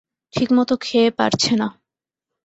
ঠিকমত খেয়ে পারছে না।